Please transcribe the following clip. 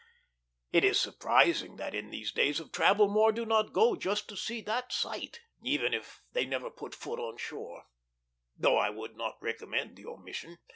It is surprising that in these days of travel more do not go just to see that sight, even if they never put foot on shore; though I would not commend the omission.